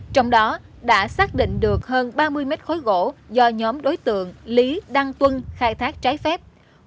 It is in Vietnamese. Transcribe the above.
trong đó đã xác định được hơn ba mươi mét khối gỗ do nhóm đối tượng lý đăng tuân khai thác trái phép